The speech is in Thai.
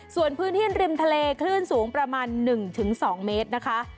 ส่วนพื้นที่ริมทะเลคลื่นสูงประมาณหนึ่งถึงสองเมตรนะคะ